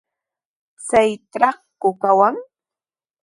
¿Chaytrawku kawan?